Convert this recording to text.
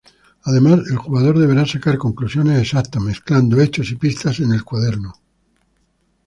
Además el jugador deberá sacar conclusiones exactas, mezclando hechos y pistas en el cuaderno.